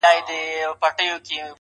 ما د وحشت په زمانه کي زندگې کړې ده~